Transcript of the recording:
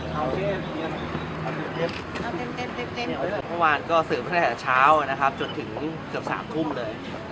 หวันวานก็เสริมขึ้นมาจากเช้าจนถึงเกือบ๓ทุ่มเลย